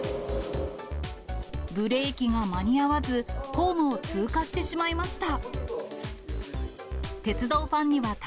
ブレーキが間に合わず、ホームを通過してしまいました。